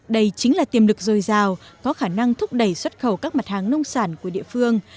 đây chính là tiềm lực dồi dào có khả năng thúc đẩy xuất khẩu các mặt hàng nông sản của địa phương